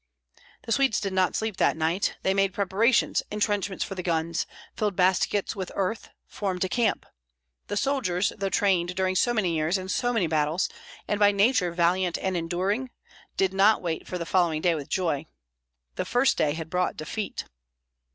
The Swedes did not sleep that night; they made preparations, entrenchments for the guns, filled baskets with earth, formed a camp. The soldiers, though trained during so many years in so many battles, and by nature valiant and enduring, did not wait for the following day with joy. The first day had brought defeat.